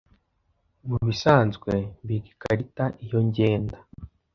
Mubisanzwe mbika ikarita iyo ngenda.